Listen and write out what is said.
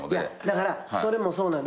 だからそれもそうなんよ。